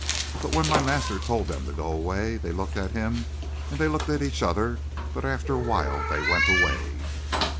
But when my master told them to go away they looked at him and they looked at each other, but after a while they went away."